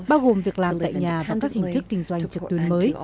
bao gồm việc làm tại nhà và các hình thức kinh doanh trực tuyến mới